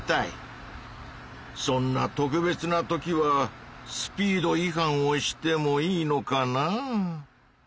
そんな特別な時はスピードい反をしてもいいのかなぁ。